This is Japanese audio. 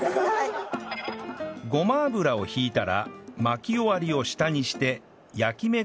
ごま油を引いたら巻き終わりを下にして焼き目がつくまで焼きます